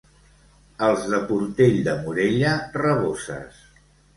Els de Portell de Morella, raboses.